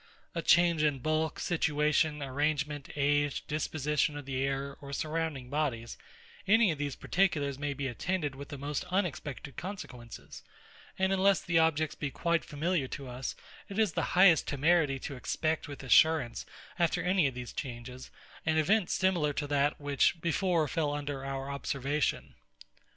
A change in bulk, situation, arrangement, age, disposition of the air, or surrounding bodies; any of these particulars may be attended with the most unexpected consequences: And unless the objects be quite familiar to us, it is the highest temerity to expect with assurance, after any of these changes, an event similar to that which before fell under our observation.